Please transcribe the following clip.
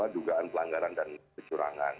dugaan pelanggaran dan kecurangan